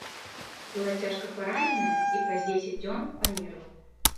Была цяжка параненая і праз дзесяць дзён памерла.